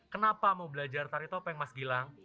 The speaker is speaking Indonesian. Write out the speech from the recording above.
kenapa mau belajar tari topeng mas gilang